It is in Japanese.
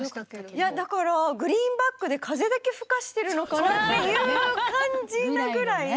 いやだからグリーンバックで風だけ吹かしてるのかなっていう感じなぐらい。